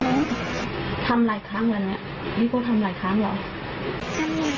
อยู่บ้านบ้านคาราเมลคาราเมลอยู่ไหมอยู่ไหนตรงในบ้าน